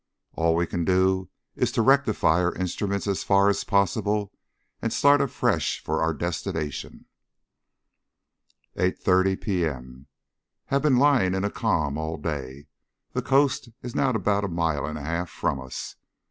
All we can do is to rectify our instruments as far as possible and start afresh for our destination. 8.30 P.M. Have been lying in a calm all day. The coast is now about a mile and a half from us.